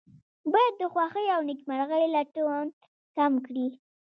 باید د خوښۍ او نیکمرغۍ لټون کم کړي.